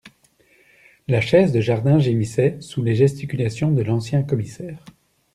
La chaise de jardin gémissait sous les gesticulations de l’ancien commissaire